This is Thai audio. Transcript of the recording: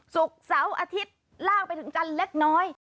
ศุกร์เสาร์อาทิตย์ลากไปถึงจันทร์เล็กน้อย